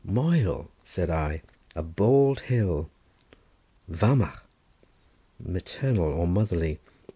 "Moel," said I, "a bald hill; Vamagh; maternal or motherly.